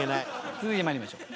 続いて参りましょう。